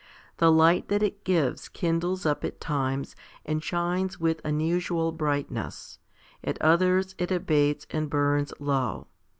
The light that it gives kindles up at times and shines with unusual brightness; at others it abates and burns low.